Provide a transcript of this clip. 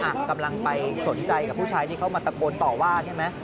กำลังไปสนใจกับผู้ชายที่เขามาตะโกนต่อว่าใช่ไหม